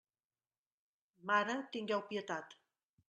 Mare, tingueu pietat.